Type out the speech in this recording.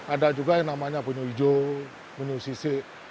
ada juga yang namanya penyu hijau penyu sisik